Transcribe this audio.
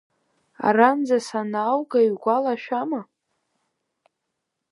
Аранӡа санаауга, иугәалашәама?